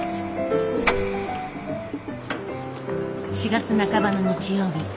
４月半ばの日曜日。